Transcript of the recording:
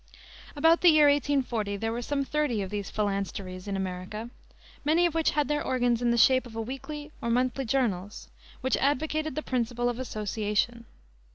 About the year 1840 there were some thirty of these "phalansteries" in America, many of which had their organs in the shape of weekly or monthly journals, which advocated the principle of Association.